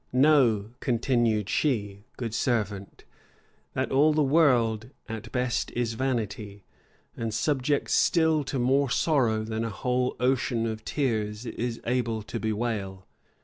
Know," continued she, "good servant, that all the world at best is vanity, and subject still to more sorrow than a whole ocean of tears is able to bewail.